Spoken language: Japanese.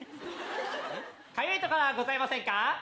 かゆいところはございませんか？